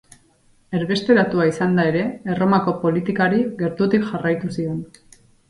Erbesteratua izanda ere, Erromako politikari gertutik jarraitu zion.